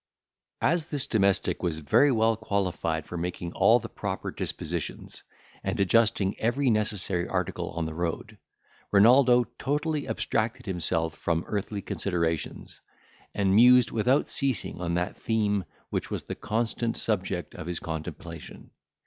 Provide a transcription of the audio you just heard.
As this domestic was very well qualified for making all the proper dispositions, and adjusting every necessary article on the road, Renaldo totally abstracted himself from earthly considerations, and mused without ceasing on that theme which was the constant subject of his contemplation.